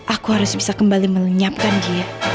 aku harus bisa kembali melenyapkan dia